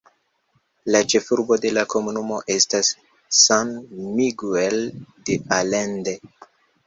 La ĉefurbo de la komunumo estas San Miguel de Allende.